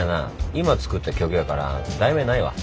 今作った曲やから題名ないわ。